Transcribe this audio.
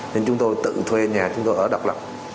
nên chúng tôi tự thuê nhà chúng tôi ở độc lập